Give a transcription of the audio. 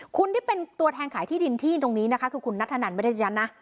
คุณที่เป็นตัวแทนขายที่ดินที่ตรงนี้นะคะคือคุณนัทธนันไม่ได้ย้ำนะ